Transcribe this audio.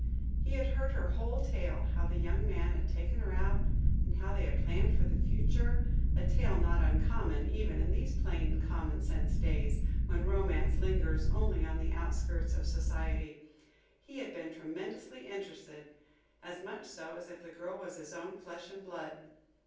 He had heard her whole tale, how the young man had taken her out and how they had planned for the future a tale not uncommon even in these plain, common sense days, when Romance lingers only on the outskirts of society. He had been tremendously interested, as much so as if the girl was his own flesh and blood.